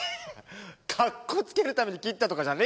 カッコつけるために切ったとかじゃねえよ。